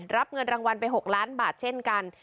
รับเงินรางวัลไป๖ล้านบาทเช่นกัน